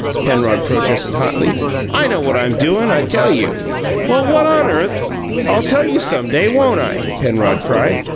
Penrod protested hotly. "I know what I'm doin', I tell you." "Well, what on earth " "I'll tell you some day, won't I?" Penrod cried.